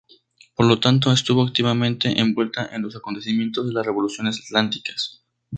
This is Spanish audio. Por lo tanto, estuvo activamente envuelta en los acontecimientos de las Revoluciones atlánticas.